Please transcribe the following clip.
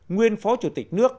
nguyên phó chủ tịch nước